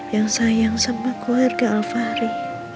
yang sayang sama keluarga al fahri